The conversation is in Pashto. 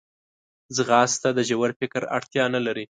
ځغاسته د ژور فکر اړتیا نه لري